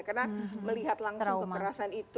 karena melihat langsung kekerasan itu